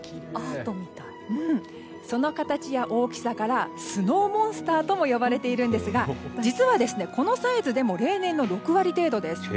その形や大きさからスノーモンスターとも呼ばれているんですが実は、このサイズでも例年の６割程度です。